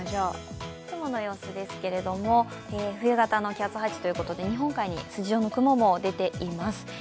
雲の様子ですけれども、冬型の気圧配置ということで、日本海に筋状の雲も出ています。